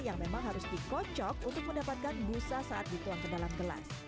yang memang harus dikocok untuk mendapatkan busa saat dituang ke dalam gelas